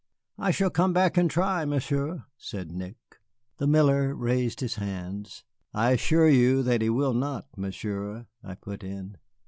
"I shall come back and try, Monsieur," said Nick. The miller raised his hands. "I assure you that he will not, Monsieur," I put in.